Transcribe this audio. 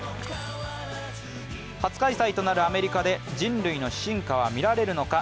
初開催となるアメリカで、人類の進化は見られるのか。